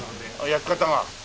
焼き方が。